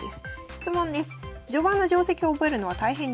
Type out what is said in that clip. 質問です」。